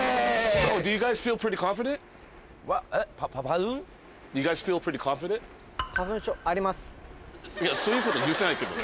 そういうこと言ってないけどね。